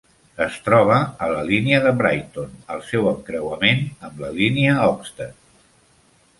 Es troba a la línia de Brighton al seu encreuament amb la línia Oxted.